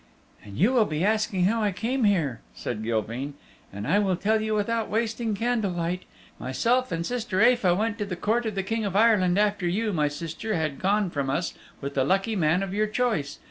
"And you will be asking how I came here," said Gilveen, "and I will tell you without wasting candle light. Myself and sister Aefa went to the court of the King of Ireland after you, my sister, had gone from us with the lucky man of your choice.